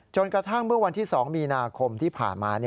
กระทั่งเมื่อวันที่๒มีนาคมที่ผ่านมา